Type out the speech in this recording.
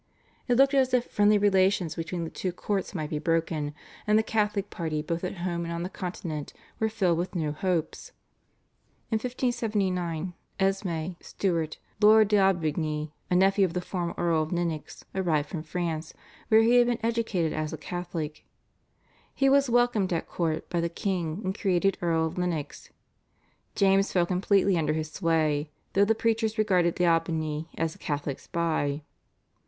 It looked as if friendly relations between the two courts might be broken, and the Catholic party both at home and on the Continent were filled with new hopes. In 1579 Esmé Stuart, Lord d'Aubigny, a nephew of the former Earl of Lennox, arrived from France, where he had been educated as a Catholic. He was welcomed at court by the king and created Earl of Lennox. James fell completely under his sway, though the preachers regarded d'Aubigny as a Catholic spy.